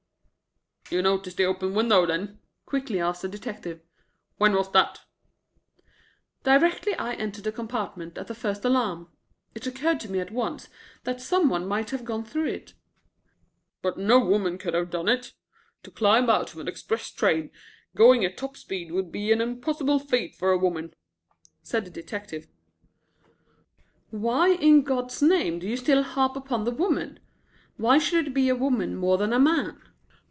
"You noticed the open window, then?" quickly asked the detective. "When was that?" "Directly I entered the compartment at the first alarm. It occurred to me at once that some one might have gone through it." "But no woman could have done it. To climb out of an express train going at top speed would be an impossible feat for a woman," said the detective, doggedly. "Why, in God's name, do you still harp upon the woman? Why should it be a woman more than a man?"